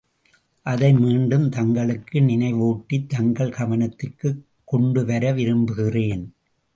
அதை மீண்டும் தங்களுக்கு நினைவூட்டித் தங்கள் கவனத்திற்குக் கொண்டு வர விரும்புகிறேன்.